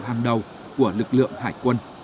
hàng đầu của lực lượng hải quân